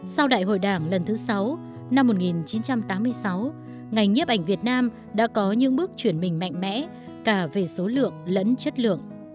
sau đại hội đảng lần thứ sáu năm một nghìn chín trăm tám mươi sáu ngành nhiếp ảnh việt nam đã có những bước chuyển mình mạnh mẽ cả về số lượng lẫn chất lượng